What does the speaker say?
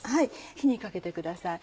火にかけてください。